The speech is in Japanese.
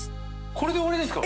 これで終わりですか？